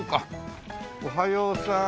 おはようさん